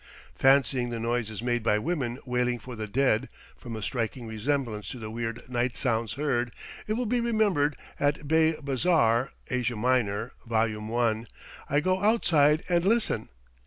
Fancying the noise is made by women wailing for the dead, from a striking resemblance to the weird night sounds heard, it will be remembered, at Bey Bazaar, Asia Minor (Vol. I), I go outside and listen.